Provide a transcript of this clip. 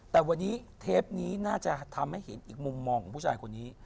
แต่วันนี้เทปนี้น่าจะทำให้เห็นอีกมุมมองของผู้ชายคนนี้